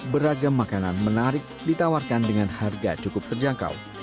beragam makanan menarik ditawarkan dengan harga cukup terjangkau